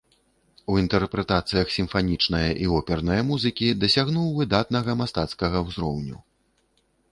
У інтэрпрэтацыях сімфанічнае і опернае музыкі дасягнуў выдатнага мастацкага ўзроўню.